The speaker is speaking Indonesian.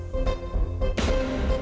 dadah kak dea